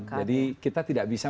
jadi kita tidak bisa